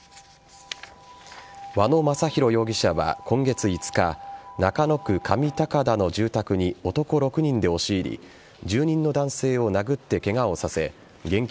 和野正弘容疑者は今月５日中野区上高田の住宅に男６人で押し入り住人の男性を殴ってケガをさせ現金